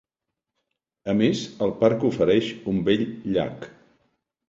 A més, el parc ofereix un bell llac.